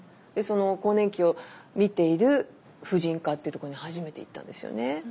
更年期を診ている婦人科っていうところに初めて行ったんですよね。